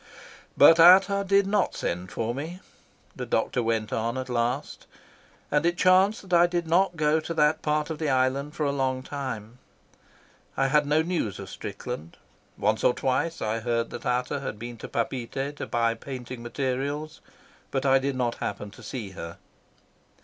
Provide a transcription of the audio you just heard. "But Ata did not send for me," the doctor went on, at last, "and it chanced that I did not go to that part of the island for a long time. I had no news of Strickland. Once or twice I heard that Ata had been to Papeete to buy painting materials, but I did not happen to see her.